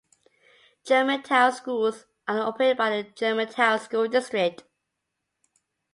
Germantown schools are operated by the Germantown School District.